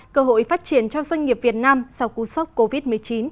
cơ hội phát triển cho doanh nghiệp việt nam sau cú sốc covid một mươi chín